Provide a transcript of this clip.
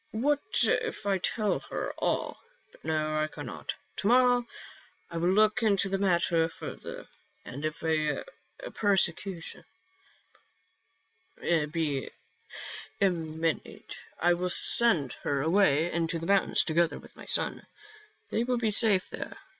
" What if I tell her all — but no, I cannot. To morrow I will look into the matter further, and if a persecution be imminent I will send her away into the mountains together with my son ; they will be safe there."